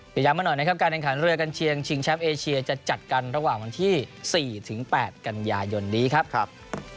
ย้ำมาหน่อยนะครับการแข่งขันเรือกัญเชียงชิงแชมป์เอเชียจะจัดกันระหว่างวันที่๔๘กันยายนนี้ครับ